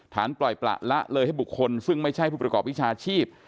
ปล่อยประละเลยให้บุคคลซึ่งไม่ใช่ผู้ประกอบวิชาชีพ